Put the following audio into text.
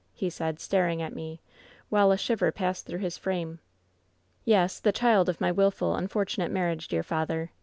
he said, staring at me, while a shiver passed through his frame. " ^Yes, the child of my wilful, unfortunate marriage, dear father.